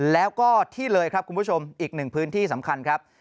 แล้วก็ที่เลยครับคุณผู้ชมอีกหนึ่งพื้นที่สำคัญครับ